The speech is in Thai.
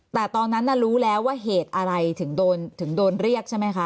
แต่ตอนนั้นน่ะรู้แล้วว่าเหตุอะไรถึงโดนเรียกใช่ไหมคะ